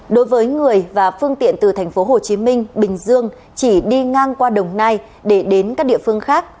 đối với người và phương tiện từ tp hcm bình dương chỉ đi ngang qua đồng nai để đến các địa phương khác